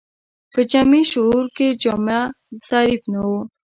په جمعي شعور کې جامع تعریف نه و